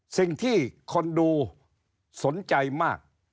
สิ่งที่คนดูสนใจมาก